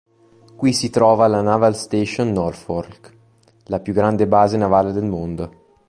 Qui si trova la Naval Station Norfolk, la più grande base navale del mondo.